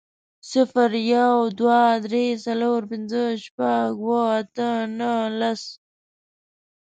صفر، يو، دوه، درې، څلور، پنځه، شپږ، اووه، اته، نهه، لس